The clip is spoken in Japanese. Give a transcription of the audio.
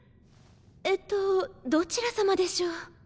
えっとどちらさまでしょう？